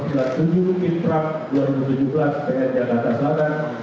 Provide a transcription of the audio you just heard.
intrag dua ribu tujuh belas pn jakarta selatan